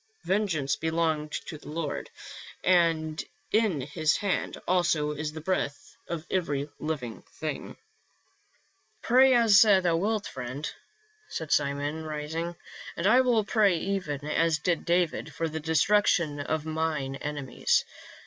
Vengeance belongeth to the Lord, and in his hand also is the breath of every living thing." 2 18 PA UL. " Pray as thou wilt, friend," said Simon, rising, " and I will pray, even as did David, for the destruction of mine enemies.